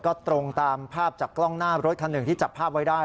ก็ตรงตามภาพจากกล้องหน้ารถคันหนึ่งที่จับภาพไว้ได้